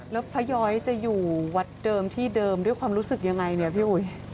แล้วพระย้อยจะอยู่วัดเดิมที่เดิมด้วยความรู้สึกยังไงเนี่ยพี่อุ๋ย